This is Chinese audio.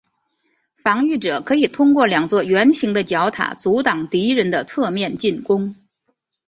防御者可以通过两座圆形的角塔阻挡敌人的侧面进攻。